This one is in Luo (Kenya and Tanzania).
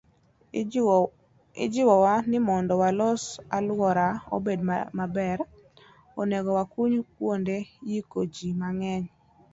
Ijiwowa ni mondo walos alworawa obed maber, onego wakuny kuonde yiko ji mang'eny.